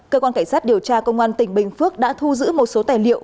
cơ quan cảnh sát điều tra công an tỉnh bình phước đã thu giữ một số tài liệu